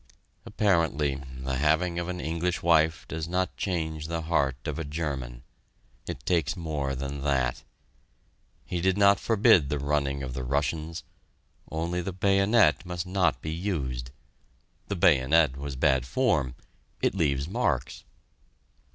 Apparently, the having of an English wife does not change the heart of a German. It takes more than that. He did not forbid the running of the Russians; only the bayonet must not be used. The bayonet was bad form it leaves marks.